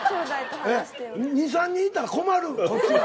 ２３人いたら困るこっちが。